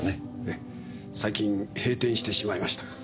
ええ最近閉店してしまいましたが。